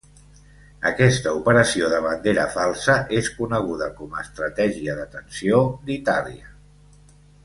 Aquesta operació de bandera falsa és coneguda com a estratègia de tensió d'Itàlia.